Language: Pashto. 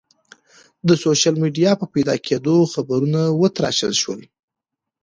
د سوشل میډیا په پیدا کېدو خبرونه وتراشل شول.